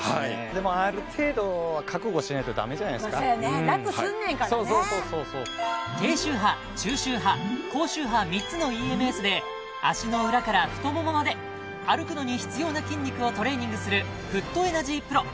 でもある程度は覚悟しないとダメじゃないすかそうやね楽すんねんからねそうそうそうそうそう足の裏から太ももまで歩くのに必要な筋肉をトレーニングするフットエナジーＰＲＯ